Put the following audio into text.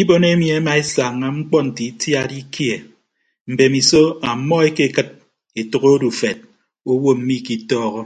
Ibon emi emaesaña mkpọ nte itiad ikie mbemiso ọmmọ ekekịd etәk odufed owo mmikitọọhọ.